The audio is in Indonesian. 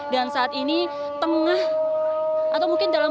dan saat ini tengah atau mungkin dalam